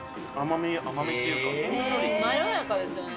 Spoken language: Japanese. まろやかですよね。